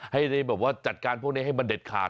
ให้ได้แบบว่าจัดการพวกนี้ให้มันเด็ดขาด